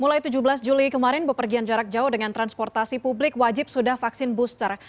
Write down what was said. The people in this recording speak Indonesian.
mulai tujuh belas juli kemarin bepergian jarak jauh dengan transportasi publik wajib sudah vaksin booster